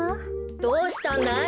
どうしたんだい？